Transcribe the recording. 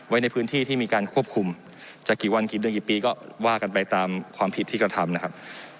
ไว้ในพื้นที่ที่มีการควบคุมจะกี่วันกี่เดือนกี่ปีก็ว่ากันไปตามความผิดที่กระทำนะครับ